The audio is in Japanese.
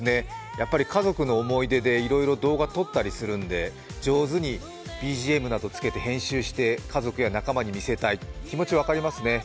やっぱり家族の思い出でいろいろ動画撮ったりするんで上手にＢＧＭなどつけて編集して家族や仲間に見せたい、気持ちは分かりますね。